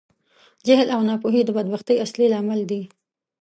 جهل او ناپوهۍ د بدبختي اصلی لامل دي.